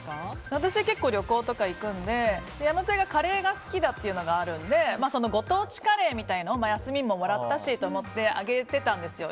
私は旅行とか、結構行くので山添がカレーが好きというのがあるのでご当地カレーみたいなのを休みももらったしと思ってあげてたんですよ。